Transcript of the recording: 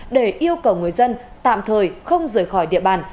để yêu cầu người dân tạm thời không rời khỏi địa bàn